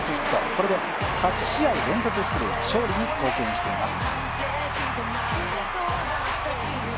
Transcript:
これで８試合連続出塁勝利に貢献しています。